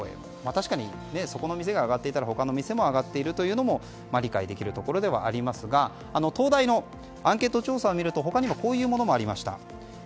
確かにそこの店が上がっていたら他の店も上がっているというのも理解できるところですが東大のアンケート調査を見ると他にこういうものもありました。